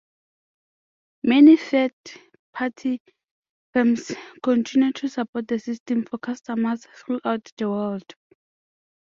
Many third party firms continue to support the system for customers throughout the world.